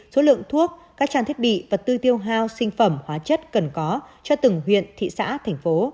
số lượng thuốc các trang thiết bị vật tư tiêu hao sinh phẩm hóa chất cần có cho từng huyện thị xã thành phố